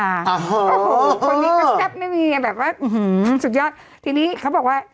อ่าโหโหคนนี้ก็แซ่บไม่มีแบบว่าอื้อหือสุดยอดทีนี้เขาบอกว่า